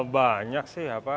banyak sih apa